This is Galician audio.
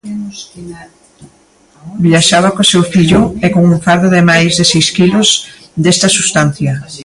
Viaxaba co seu fillo e cun fardo de máis de seis quilos desta substancia.